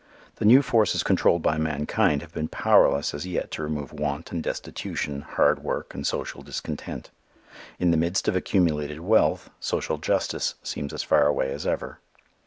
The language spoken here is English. The new forces controlled by mankind have been powerless as yet to remove want and destitution, hard work and social discontent. In the midst of accumulated wealth social justice seems as far away as ever.